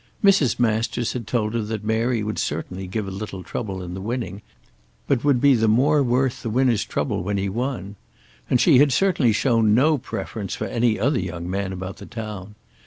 Mrs. Masters had told him that Mary would certainly give a little trouble in winning, but would be the more worth the winner's trouble when won. And she had certainly shown no preference for any other young man about the town.